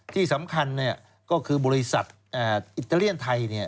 ที่สำคัญก็คือบริษัทอิตาเลียนไทย